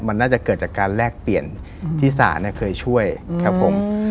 มันน่าจะเกิดจากการแลกเปลี่ยนที่ศาลเคยช่วยครับผม